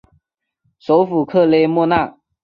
首府克雷莫纳。